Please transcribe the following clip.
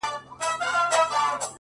o زړه مي ورېږدېدی؛